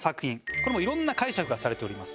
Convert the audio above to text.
これもいろんな解釈がされております。